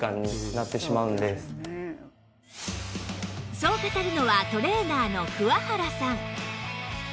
そう語るのはトレーナーの桑原さん